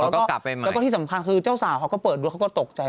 แล้วก็กลับไปใหม่แล้วก็ที่สำคัญคือเจ้าสาวเขาก็เปิดดูเขาก็ตกใจ